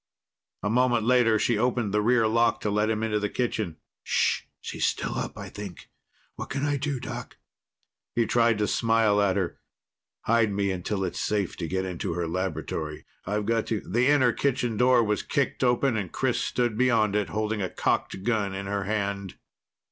A moment later she opened the rear lock to let him into the kitchen. "Shh. She's still up, I think. What can I do, Doc?" He tried to smile at her. "Hide me until it's safe to get into her laboratory. I've got to " The inner kitchen was kicked open and Chris stood beyond it, holding a cocked gun in her hand.